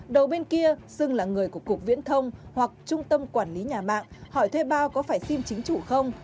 đầu bên kia xưng là người của cục viễn thông hoặc trung tâm quản lý nhà mạng hỏi thuê bao có phải xin chính chủ không